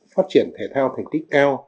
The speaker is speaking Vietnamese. phát triển thể thao thành tích cao